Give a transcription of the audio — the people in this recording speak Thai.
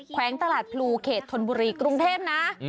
แขวงตลาดพลูเขตธนบุรีกรุงเทพนะ